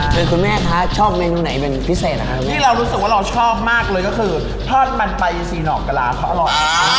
ก็คือพราบใบสีเหนอกกะลาเค้าอร่อย